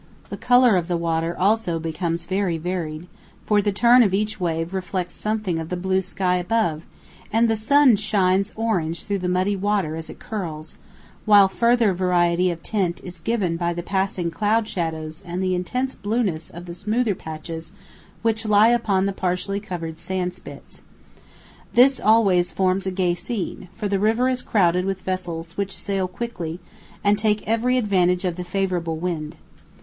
The colour of the water also becomes very varied, for the turn of each wave reflects something of the blue sky above, and the sun shines orange through the muddy water as it curls, while further variety of tint is given by the passing cloud shadows and the intense blueness of the smoother patches which lie upon the partially covered sand spits. This always forms a gay scene, for the river is crowded with vessels which sail quickly, and take every advantage of the favourable wind.